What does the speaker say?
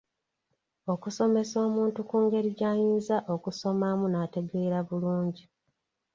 Okusomesa omuntu ku ngeri gy'ayinza okusomamu n'ategeera bulungi .